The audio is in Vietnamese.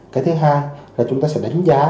cái thứ hai là chúng ta sẽ đánh giá